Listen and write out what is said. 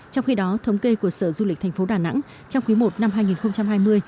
trong khi đó thống kê của sở du lịch thành phố đà nẵng trong quý i năm hai nghìn hai mươi